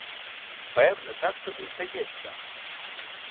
Певне, так тобі здається.